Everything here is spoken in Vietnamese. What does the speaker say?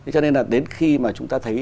cho nên đến khi chúng ta thấy